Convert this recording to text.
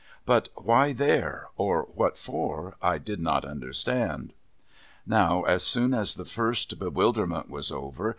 But why there, or what for, I did not understand. Now, as soon as the first bewilderment was over.